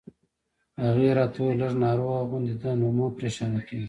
هغې راته وویل: لږ ناروغه غوندې ده، نو مه پرېشانه کېږه.